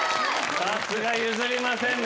さすが譲りませんね